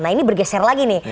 nah ini bergeser lagi nih